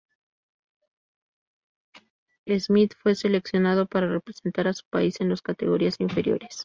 Smith fue seleccionado para representar a su país en las categorías inferiores.